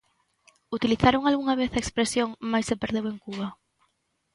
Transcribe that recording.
Utilizaron algunha vez a expresión máis se perdeu en Cuba?